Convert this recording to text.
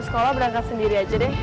sekolah berangkat sendiri aja deh